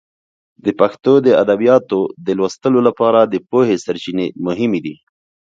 د پښتو د ادبیاتو د لوستلو لپاره د پوهې سرچینې مهمې دي.